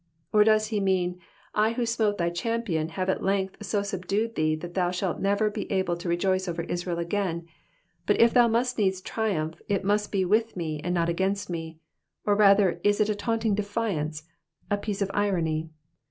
Or does he mean, I who smote thy champion have at length so subdued thee that thou shalt never be able to rejoice over Israel again ; but if thou must needs triumph it must be with me, and not against me ; or rather is it a taunting defiance, a piece of irony